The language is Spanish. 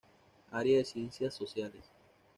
Área de Ciencias Sociales.